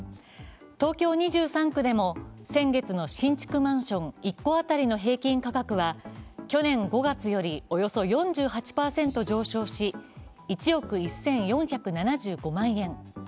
東京２３区でも先月の新築マンション１戸あたりの平均価格は去年５月よりおよそ４８％上昇し１億１４７５万円。